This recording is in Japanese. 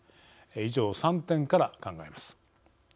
以上３点から考えます。